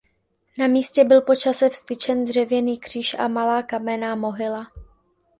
Na místě byl po čase vztyčen dřevěný kříž a malá kamenná mohyla.